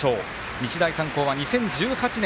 日大三高、２０１８年